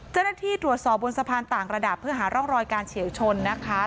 เจ้าหน้าที่ตรวจสอบบนสะพานต่างระดับเพื่อหาร่องรอยการเฉียวชนนะคะ